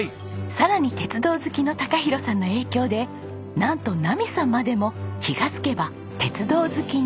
さらに鉄道好きの昂広さんの影響でなんと奈美さんまでも気がつけば鉄道好きに。